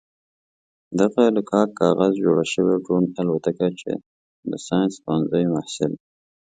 دغه له کاک کاغذه جوړه شوې ډرون الوتکه چې د ساينس پوهنځي محصل